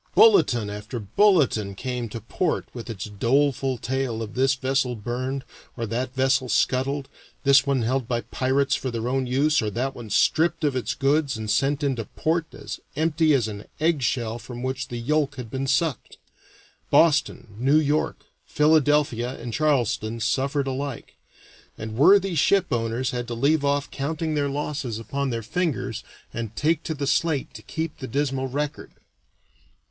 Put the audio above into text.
Bulletin after bulletin came to port with its doleful tale of this vessel burned or that vessel scuttled, this one held by the pirates for their own use or that one stripped of its goods and sent into port as empty as an eggshell from which the yolk had been sucked. Boston, New York, Philadelphia, and Charleston suffered alike, and worthy ship owners had to leave off counting their losses upon their fingers and take to the slate to keep the dismal record.